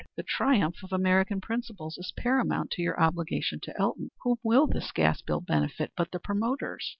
The triumph of American principles is paramount to your obligation to Elton. Whom will this gas bill benefit but the promoters?